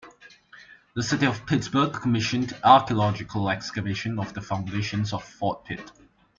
The city of Pittsburgh commissioned archeological excavation of the foundations of Fort Pitt.